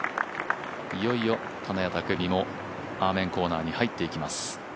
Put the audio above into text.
いよいよ、金谷拓実もアーメンコーナーに入っていきます。